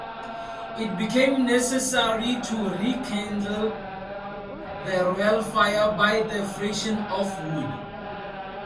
It became necessary to rekindle the royal fire by the friction of wood.